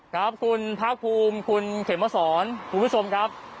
ครับคุณพระพูมคุณเข็มเมาะสอนคุณผู้ชมครับ